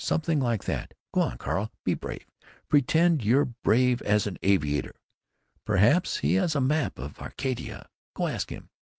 Something like that. Go on, Carl, be brave. Pretend you're brave as an aviator. Perhaps he has a map of Arcadia. Go ask him."